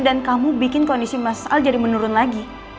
dan kamu bikin kondisi mas al jadi menurun lagi